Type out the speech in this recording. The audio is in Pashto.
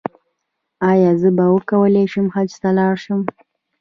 ایا زه به وکولی شم حج ته لاړ شم؟